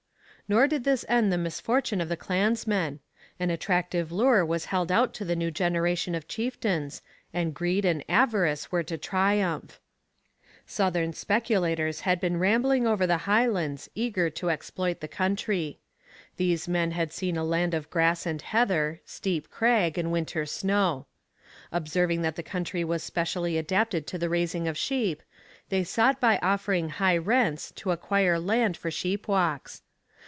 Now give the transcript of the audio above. Nor did this end the misfortunes of the clansmen. An attractive lure was held out to the new generation of chieftains, and greed and avarice were to triumph. Southern speculators had been rambling over the Highlands, eager to exploit the country. These men had seen a land of grass and heather, steep crag, and winter snow. Observing that the country was specially adapted to the raising of sheep, they sought by offering high rents to acquire land for sheep walks.